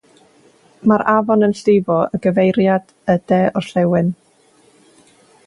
Mae'r afon yn llifo i gyfeiriad y de-orllewin.